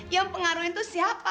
yang pengaruhin tuh siapa